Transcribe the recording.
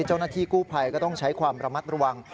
เจ้าหน้าที่กู้ภัยก็ต้องใช้ความระมัดระวัง